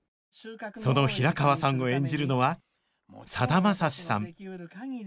その平川さんを演じるのはさだまさしさん